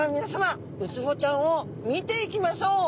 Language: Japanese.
ウツボちゃんを見ていきましょう。